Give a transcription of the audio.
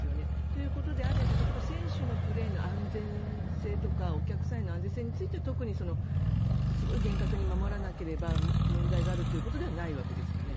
ということであれば選手のプレーの安全性とかお客さんへの安全性については厳格に守らなければ問題があるということではないわけですよね。